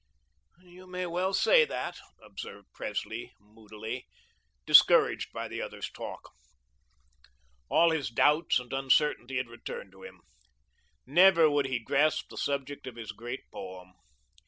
"You may well say that," observed Presley moodily, discouraged by the other's talk. All his doubts and uncertainty had returned to him. Never would he grasp the subject of his great poem.